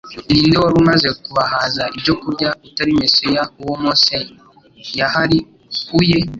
ni nde wari umaze kubahaza ibyo kurya, utari Mesiya uwo Mose yahariuye?